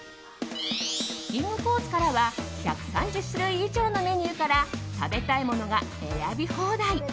きんぐコースからは１３０種類以上のメニューから食べたいものが選び放題。